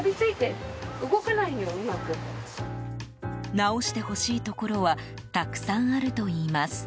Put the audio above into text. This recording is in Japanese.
直してほしいところはたくさんあるといいます。